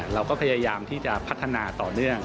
เราก็พยายามที่จะพัฒนาต่อเนื่อง